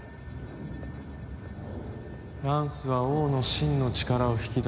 「ランスは王の真の力を引き出す」。